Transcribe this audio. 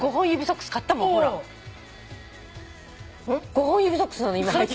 五本指ソックスなの今。